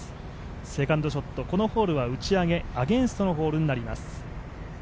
セカンドショット、このホールは打ち上げ、アゲンストのホールになります。